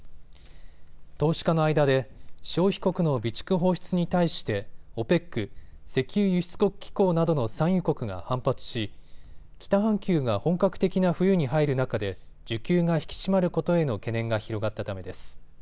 投資家の間で消費国の備蓄放出に対してＯＰＥＣ・石油輸出国機構などの産油国が反発し北半球が本格的な冬に入る中で需給が引き締まることへの懸念が広がったためです。